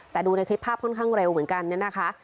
แต่ดูในคลิปภาพค่อนข้างเร็วเหมือนกันเนี่ยนะคะ